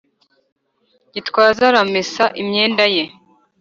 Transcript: gitwaza aramesa imyenda ye